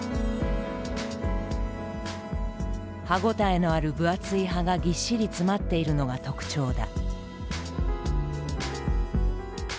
歯応えのある分厚い葉がぎっしり詰まっているのが特徴だ。